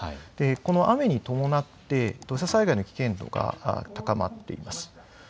この雨に伴って土砂災害の危険度が高まっています。